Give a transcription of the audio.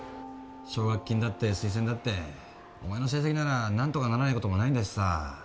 奨学金だって推薦だってお前の成績ならなんとかならない事もないんだしさ。